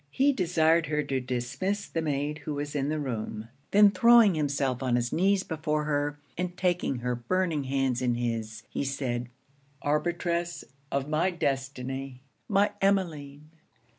He desired her to dismiss the maid who was in the room; then throwing himself on his knees before her, and taking her burning hands in his, he said 'Arbitress of my destiny my Emmeline!